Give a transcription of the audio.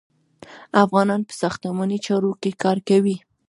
افغانان په ساختماني چارو کې کار کوي.